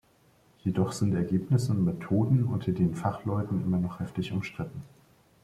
Jedoch sind Ergebnisse und Methoden unter den Fachleuten immer noch heftig umstritten.